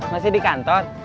masih di kantor